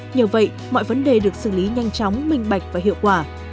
nhờ vậy mọi vấn đề được xử lý nhanh chóng minh bạch và hiệu quả